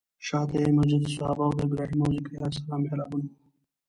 شاته یې مسجد صحابه او د ابراهیم او ذکریا علیه السلام محرابونه وو.